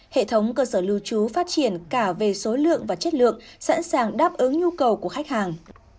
hệ thống cơ sở lưu trú phát triển cả về số lượng và chất lượng sẵn sàng đáp ứng nhu cầu của khách hàng